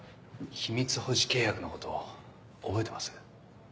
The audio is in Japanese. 秘密保持契約のこと覚えてます？